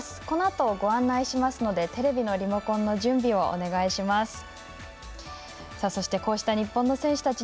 このあとご案内しますのでテレビのリモコンの準備をお願いします。